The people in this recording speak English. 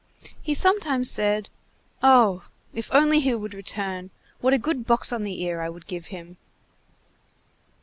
He sometimes said: "Oh! if he only would return, what a good box on the ear I would give him!"